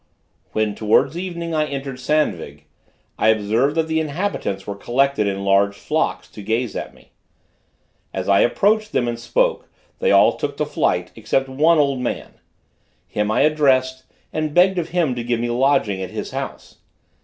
When, towards evening, I entered Sandvig, I observed that the inhabitants were collected in large flocks, to gaze at me. As I approached them and spoke, they all took to flight, except one old man: him I addressed, and begged of him to give me lodging at his house.